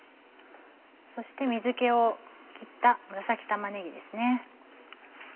そして水気を切った紫玉ねぎですね。